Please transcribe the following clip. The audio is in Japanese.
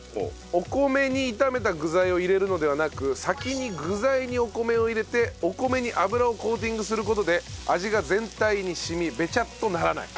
お米に炒めた具材を入れるのではなく先に具材にお米を入れてお米に油をコーティングする事で味が全体に染みベチャッとならない。